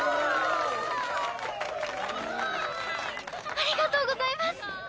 ありがとうございます。